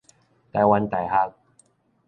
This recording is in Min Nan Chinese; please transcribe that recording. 臺灣大學